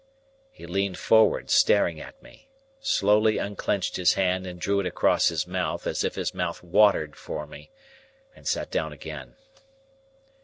He leaned forward staring at me, slowly unclenched his hand and drew it across his mouth as if his mouth watered for me, and sat down again.